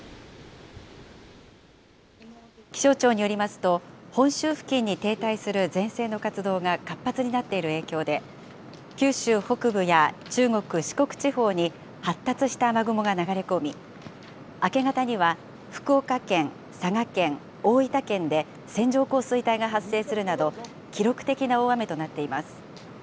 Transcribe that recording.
気象庁によりますと、本州付近に停滞する前線の活動が活発になっている影響で、九州北部や中国、四国地方に発達した雨雲が流れ込み、明け方には福岡県、佐賀県、大分県で線状降水帯が発生するなど、記録的な大雨となっています。